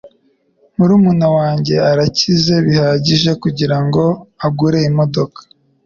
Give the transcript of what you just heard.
Murumuna wanjye arakize bihagije kugirango agure imodoka.